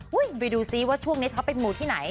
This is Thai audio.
ไปดูซิว่าช่วงนี้เขาเป็นหมู่ที่ไหน